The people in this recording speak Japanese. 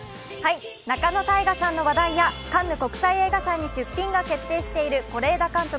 仲野太賀さんの話題やカンヌ国際映画祭に出品が予定されている是枝監督